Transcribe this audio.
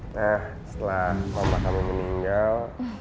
nah setelah bapak kami meninggal